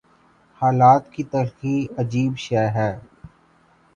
حالات کی تلخی عجیب شے ہے۔